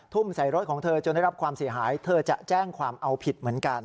ทุ่มใส่รถของเธอจนได้รับความเสียหายเธอจะแจ้งความเอาผิดเหมือนกัน